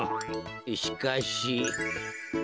しかし。